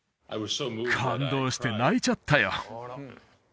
感動して泣いちゃったよ